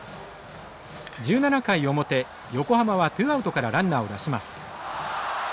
１７回表横浜はツーアウトからランナーを出します。